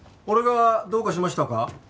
俺がどうかしましたか？